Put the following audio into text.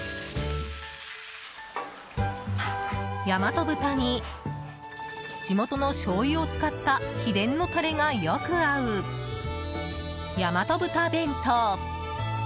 やまと豚に地元のしょうゆを使った秘伝のタレがよく合うやまと豚弁当。